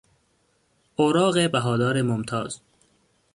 اوراق بهادار ممتاز